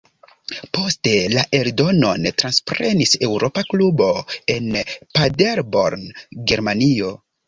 Poste la eldonon transprenis "Eŭropa Klubo" en Paderborn, Germanio.